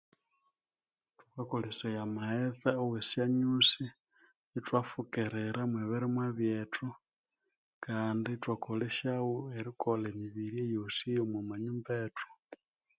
Thukakolesaya amaghetse awesyonyusi ithwa ffukirira mwe ebirimwa byethu kandi ithwakolesyamu erikolha emibiri eyosi omwa manyumba ethu